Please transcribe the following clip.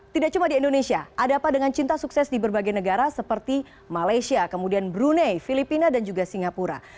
tidak cuma di indonesia ada apa dengan cinta sukses di berbagai negara seperti malaysia kemudian brunei filipina dan juga singapura